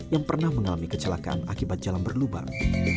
yang pernah mengalami kecelakaan akibat jalan berlubang